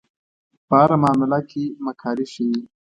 په هره معامله کې مکاري ښيي.